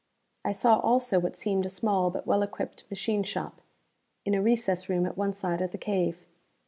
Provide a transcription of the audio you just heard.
I saw also what seemed a small but well equipped machine shop, in a recess room at one side of the cave.